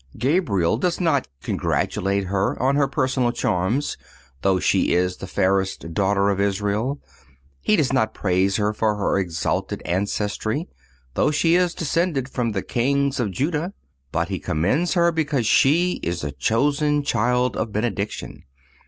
__"_ Gabriel does not congratulate her on her personal charms, though she is the fairest daughter of Israel. He does not praise her for her exalted ancestry, though she is descended from the Kings of Juda. But he commends her because she is the chosen child of benediction.